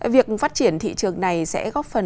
việc phát triển thị trường này sẽ góp phần